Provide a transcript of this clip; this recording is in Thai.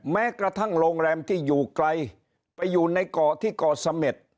แม้กระทั่งโรงแรมที่อยู่ไกลไปอยู่ในเกาะที่เกาะเสม็ด